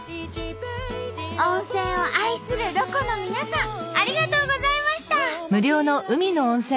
温泉を愛するロコの皆さんありがとうございました！